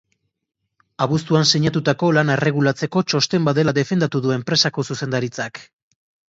Abuztuan sinatutako lana erregulatzeko txosten bat dela defendatu du enpresako zuzendaritzak.